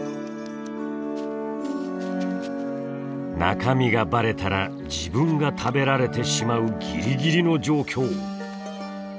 中身がバレたら自分が食べられてしまうギリギリの状況！